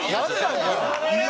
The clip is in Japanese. これ」